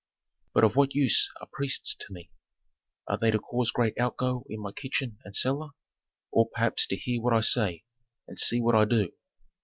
"But of what use are priests to me? Are they to cause great outgo in my kitchen and cellar? Or, perhaps, to hear what I say, and see what I do?"